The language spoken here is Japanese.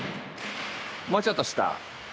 もうちょっと下。